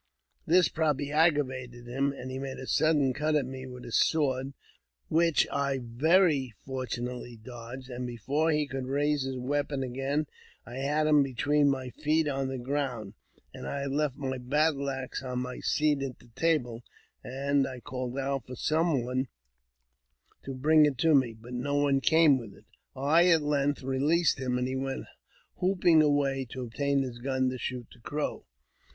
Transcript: This probably aggravat him, and he made a sudden cut at me with his sword, which I very fortunately dodged, and before he could raise hiJ weapon again I had him between my feet on the ground. I had left my battle axe on my seat at the table, and I called out for some one to bring it to me, but no one came with it. I at length released him, and he went whooping away, to obtain his gun to shoot the Crow.